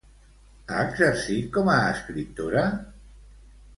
Ha exercit com a escriptora?